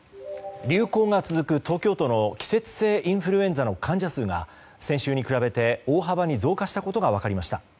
流行が続く東京都の季節性インフルエンザの患者数が先週に比べて、大幅に増加したことが分かりました。